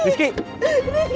perasaan om dulu